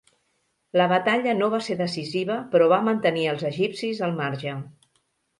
La batalla no va ser decisiva però va mantenir els egipcis al marge.